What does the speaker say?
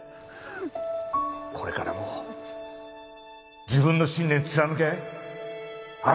これからも自分の信念貫け新！